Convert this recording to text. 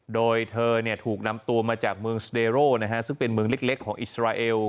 โดยเธอถูกนำตัวมาจากเมืองสเดโร่ซึ่งเป็นเมืองเล็กของอิสราเอล